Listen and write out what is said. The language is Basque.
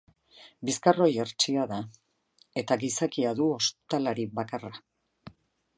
Bizkarroi hertsia da, eta gizakia du ostalari bakarra.